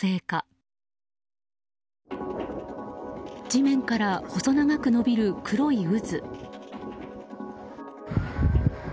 地面から細長く伸びる黒い渦。